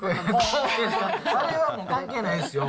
あれは関係ないですよ。